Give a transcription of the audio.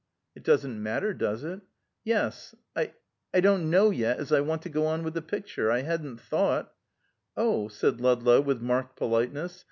"It doesn't matter, does it?" "Yes. I I don't know yet as I want to go on with the picture. I hadn't thought " "Oh!" said Ludlow, with marked politeness.